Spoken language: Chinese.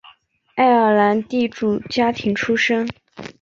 爱尔兰地主家庭出身。